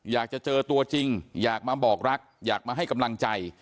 อยากจะเจอตัวจริงอยากมาบอกรักอยากมาให้กำลังใจ